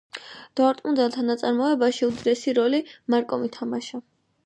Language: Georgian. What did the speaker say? დორტმუნდელთა წარმატებაში უდიდესი როლი მარკომ ითამაშა.